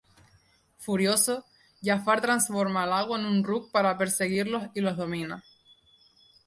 Furioso, Jafar transforma a Iago en un ruc para perseguirlos y los domina.